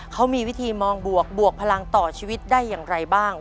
เขามีวิธีมองบวกบวกพลังต่อชีวิตได้อย่างไรบ้าง